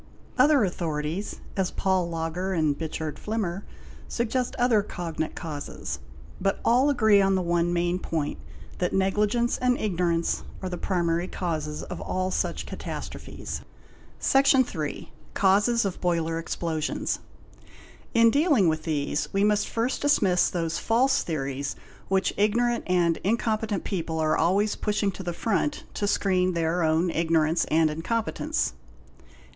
Other authorities, as Pawl Lagar and Richard Flimmer, suggest other cognate causes; but all agree on the one main point, that negligence and ignorance are the primary causes of all such catastrophes. Section iiii—Causes of Boiler explosions. In dealing with these we must first dismiss those false theories which ignorant and incompetent people are always pushing to the front to screen their own ignorance and incompetence.